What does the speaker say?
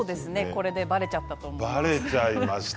これでばれちゃったと思います。